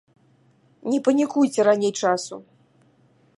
Не панікуйце раней часу.